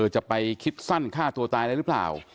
จะไปคิดสั้นฆ่าตัวตายได้หรือเปล่า